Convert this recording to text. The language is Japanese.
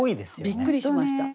びっくりしました。